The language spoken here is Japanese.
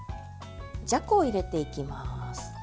じゃこを入れていきます。